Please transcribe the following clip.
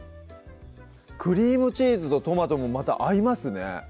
クリームチーズとトマトもまた合いますね